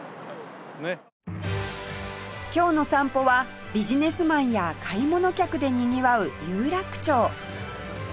今日の散歩はビジネスマンや買い物客でにぎわう有楽町